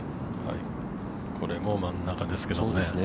◆これも真ん中ですけどね。